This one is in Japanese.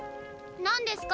何ですか？